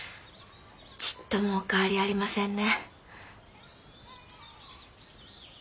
ちっともお変わりありませんね。